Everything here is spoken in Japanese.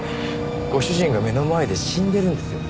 ご主人が目の前で死んでるんですよ？